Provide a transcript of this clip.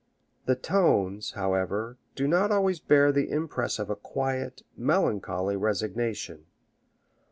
The tones, however, do not always bear the impress of a quiet, melancholy resignation.